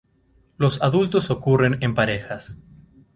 Los adultos ocurren en parejas.